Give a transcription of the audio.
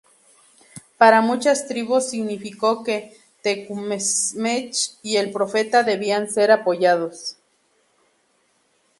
Para muchas tribus significó que Tecumseh y el Profeta debían ser apoyados.